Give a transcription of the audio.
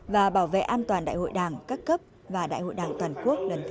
và bảo vệ an toàn đại hội đảng các cấp và đại hội đảng toàn quốc lần thứ một mươi